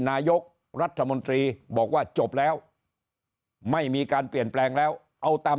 นายกรัฐมนตรีบอกว่าจบแล้วไม่มีการเปลี่ยนแปลงแล้วเอาตาม